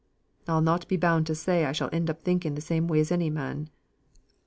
I'll not be bound to say I shall end in thinking the same as any man.